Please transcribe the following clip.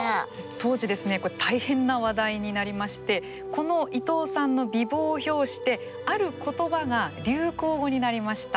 当時ですねこれ大変な話題になりましてこの伊東さんの美貌を評してある言葉が流行語になりました。